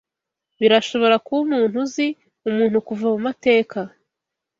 Birashobora kuba umuntu uzi, umuntu kuva mumateka